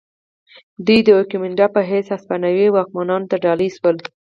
دوی د ایکومینډا په حیث هسپانوي واکمنانو ته ډالۍ شول.